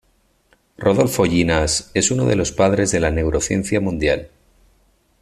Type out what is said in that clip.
Rodolfo Llinás es uno de los padres de la Neurociencia mundial.